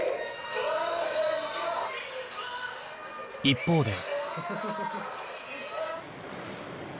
「」一方で。